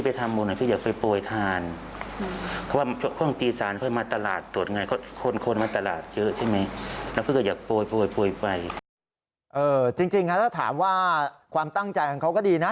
จริงแล้วถ้าถามว่าความตั้งใจของเขาก็ดีนะ